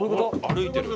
歩いてる。